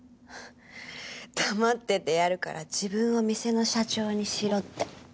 黙っててやるから自分を店の社長にしろって。